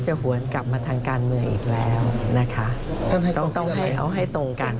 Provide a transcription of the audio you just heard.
หวนกลับมาทางการเมืองอีกแล้วนะคะต้องต้องให้เอาให้ตรงกัน